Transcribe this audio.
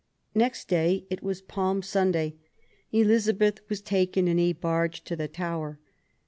Next day, it was Palm Sunday, Elizabeth was taken in a barge to the Tower.